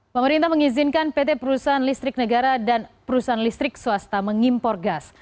pemerintah mengizinkan pt perusahaan listrik negara dan perusahaan listrik swasta mengimpor gas